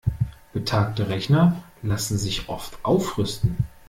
Betagte Rechner lassen sich oft aufrüsten.